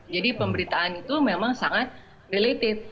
jadi pemberitaan itu memang sangat related